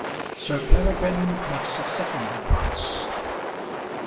SIR PEREGRINE MAKES A SECOND PROMISE.